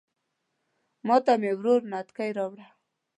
ماته مې ورور نتکۍ راوړه